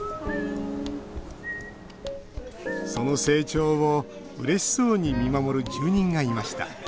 その成長を、うれしそうに見守る住人がいました。